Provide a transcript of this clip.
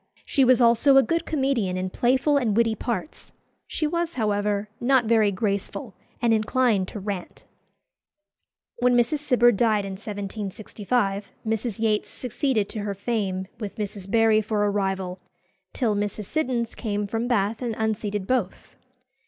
She was also a good comedian in playful and witty parts. She was, however, not very graceful, and inclined to rant. When Mrs. Cibber died in 1765, Mrs. Yates succeeded to her fame, with Mrs. Barry for a rival, till Mrs. Siddons came from Bath and unseated both.